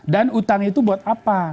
dan utang itu buat apa